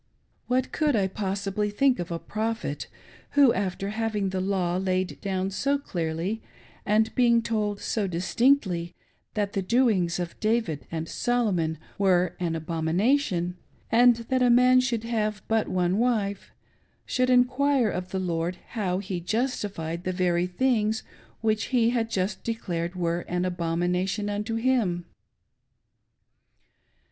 What could I possibly think of a " Prophet " \yho, after having the law laid down sq clearly, and being told so dis tinctly that the doings of David and Solomon were an " abom ination," and that a man should have but one wife, should enquire of the Lord how he "justified" the very things which He had just declared were " an abomination" unto him